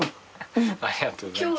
ありがとうございます。